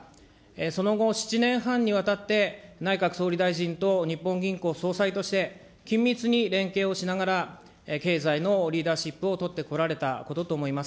その後、７年半にわたって、内閣総理大臣と日本銀行総裁として緊密に連携をしながら経済のリーダーシップをとってこられたことと思います。